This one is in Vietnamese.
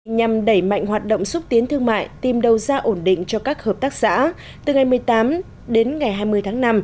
nhằm đẩy mạnh hoạt động xúc tiến thương mại tìm đầu ra ổn định cho các hợp tác xã từ ngày một mươi tám đến ngày hai mươi tháng năm